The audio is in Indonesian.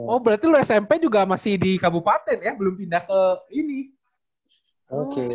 oh berarti lu smp juga masih di kabupaten ya belum pindah ke ini